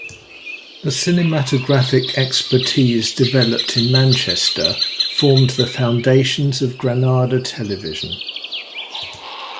The cinematographic expertise developed in Manchester formed the foundations of Granada Television.